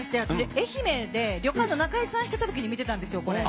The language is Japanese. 愛媛で旅館の仲居さんしてたときに見てたんですよ、これ。